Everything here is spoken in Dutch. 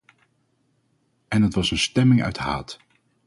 En het was een stemming uit haat.